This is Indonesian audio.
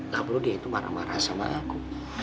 gak perlu dia itu marah marah sama aku